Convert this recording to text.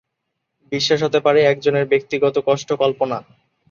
বিশ্বাস হতে পারে একজনের ব্যক্তিগত কষ্ট কল্পনা।